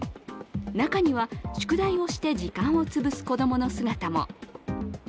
中には、宿題をして時間を潰す子供の姿も。